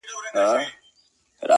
چي د بڼو پر څوکه ژوند کي دي پخلا ووینم!